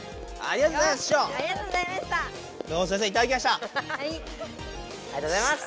ありがとうございます。